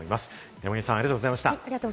山神さん、ありがとうございました。